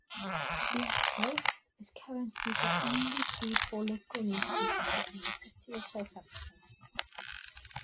The "Echo" is currently the only paid-for local newspaper covering the city of Southampton.